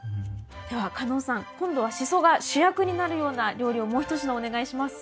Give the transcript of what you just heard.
ではカノウさん今度はシソが主役になるような料理をもう一品お願いします。